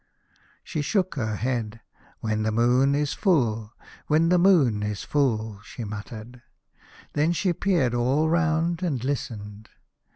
She shook her head. " When the moon is full, when the moon is full," she muttered. Then she peered all round, and listened.